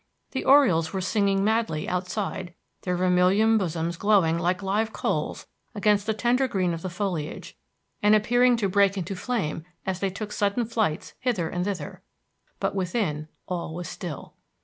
The orioles were singing madly outside, their vermilion bosoms glowing like live coals against the tender green of the foliage, and appearing to break into flame as they took sudden flights hither and thither; but within all was still.